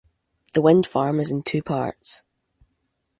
The wind farm is in two parts.